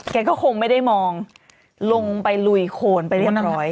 แกก็คงไม่ได้มองลงไปลุยโคนไปเรียบร้อย